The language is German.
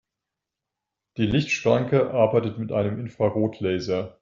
Die Lichtschranke arbeitet mit einem Infrarotlaser.